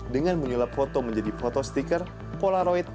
dengan menyelap foto menjadi foto stiker polaroid